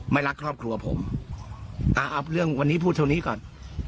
ไม่รักครอบครัวผมอ่าเอาเรื่องวันนี้พูดเท่านี้ก่อน